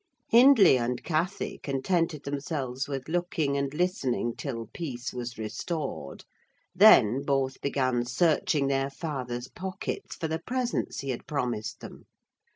Hindley and Cathy contented themselves with looking and listening till peace was restored: then, both began searching their father's pockets for the presents he had promised them.